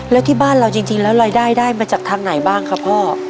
แล้วที่บ้านเราจริงแล้วรายได้ได้มาจากทางไหนบ้างครับพ่อ